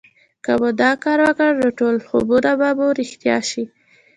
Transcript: که مو دا کار وکړ نو ټول خوبونه به مو رښتيا شي